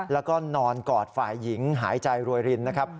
แล้วก็นอนกอดฝ่ายหญิงหายใจรวยรินนะครับ